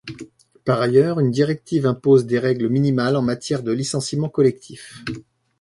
Par ailleurs, une directive impose des règles minimales en matière de licenciements collectifs.